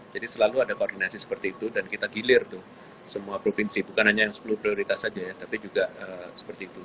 jadi selalu ada koordinasi seperti itu dan kita gilir tuh semua provinsi bukan hanya yang sepuluh prioritas saja ya tapi juga seperti itu